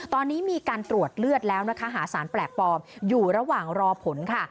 ตอนนี้มีการตรวจเลือดแล้วนะคะหาสารแปลกปลอมอยู่ระหว่างรอผลค่ะ